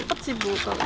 cepet sih bu